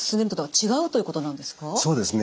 そうですね。